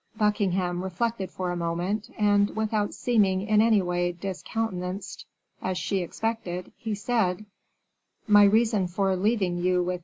Buckingham reflected for a moment, and, without seeming in any way discountenanced, as she expected, he said: "My reason for leaving you with M.